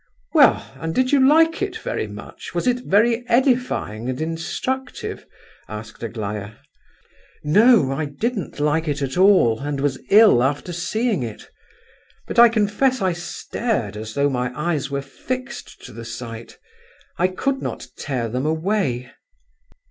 "Well, and did you like it very much? Was it very edifying and instructive?" asked Aglaya. "No, I didn't like it at all, and was ill after seeing it; but I confess I stared as though my eyes were fixed to the sight. I could not tear them away."